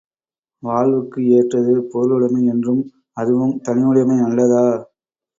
வாழ்வுக்கு ஏற்றது பொருளுடைமை என்றும், அதுவும் தனியுடைமை நல்லதா?